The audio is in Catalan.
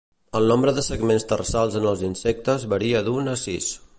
El nombre de segments tarsals en els insectes varia d'un a sis.